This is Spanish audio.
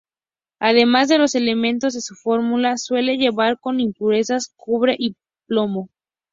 Además de los elementos de su fórmula, suele llevar como impurezas cobre y plomo.